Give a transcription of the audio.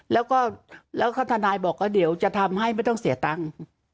แล้วก็แล้วทนายบอกว่าเดี๋ยวจะทำให้ไม่ต้องเสียตังค์